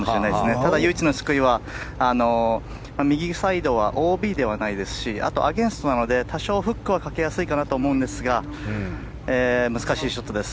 ただ、唯一の救いは右サイドは、ＯＢではないですしアゲンストなので多少フックはかけやすいと思うんですが難しいショットです。